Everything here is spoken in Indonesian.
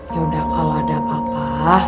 yaudah kalo ada apa apa